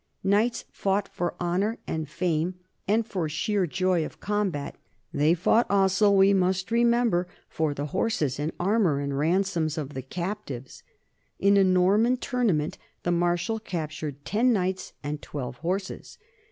Knights fought for honor and fame and for sheer joy of combat ; they fought also, we must remember, for the horses and armor and ransoms of the captives. In a Norman tour nament the Marshal captured ten knights and twelve horses.